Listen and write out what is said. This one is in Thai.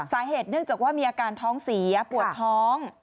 สาเหตุเนื่องจากว่ามีอาการท้องเสียปวดท้อง